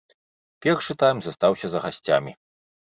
Першы тайм застаўся за гасцямі.